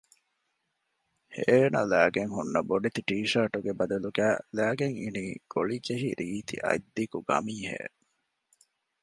އޭނަ ލައިގެން ހުންނަ ބޮޑެތި ޓީޝާޓުގެ ބަދަލުގައި ލައިގެން އިނީ ގޮޅިޖެހި ރީތި އަތްދިގު ގަމީހެއް